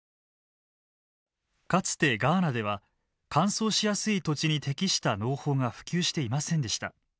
かつてガーナでは乾燥しやすい土地に適した農法が普及していませんでした。